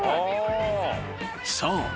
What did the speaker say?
［そう。